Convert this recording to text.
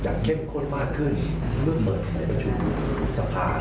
อย่างเข้มข้นมากขึ้นเมื่อโปรดสมัยประชุม